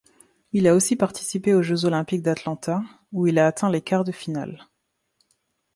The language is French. Il a aussi participé aux Jeux olympiques d'Atlanta où il a atteint les quarts-de-finale.